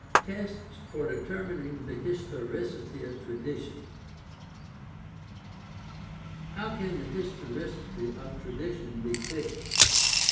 Tests for determining the historicity of tradition. — How can the historicity of tradition be fixed ?